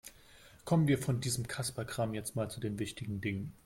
Kommen wir von diesem Kasperkram jetzt mal zu den wichtigen Dingen.